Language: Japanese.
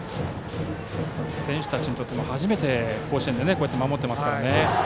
選手たちにとっても初めての甲子園で守っていますからね。